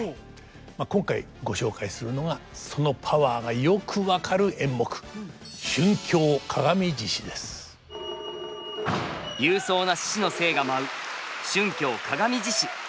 今回ご紹介するのがそのパワーがよく分かる演目勇壮な獅子の精が舞う「春興鏡獅子」。